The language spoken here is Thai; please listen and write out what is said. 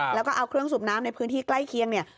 แล้วก็เอาเครื่องสูบน้ำในพื้นที่ใกล้เคียงเนี่ย